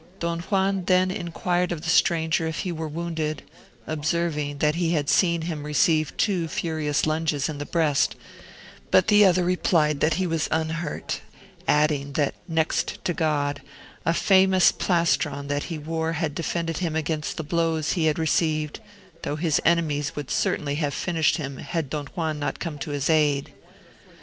Don Juan then inquired of the stranger if he were wounded, observing, that he had seen him receive two furious lunges in the breast; but the other replied that he was unhurt; adding, that next to God, a famous plastron that he wore had defended him against the blows he had received, though his enemies would certainly have finished him had Don Juan not come to his aid.